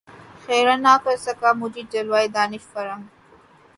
خیرہ نہ کر سکا مجھے جلوۂ دانش فرنگ